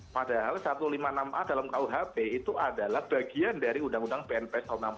padahal satu ratus lima puluh enam a dalam kuhp itu adalah bagian dari undang undang pnps tahun seribu sembilan ratus enam puluh